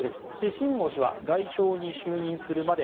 シン・ゴウ氏は外相に就任するまで